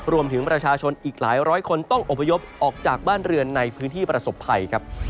รวมถึงประชาชนอีกหลายร้อยคนต้องอบพยพออกจากบ้านเรือนในพื้นที่ประสบภัยครับ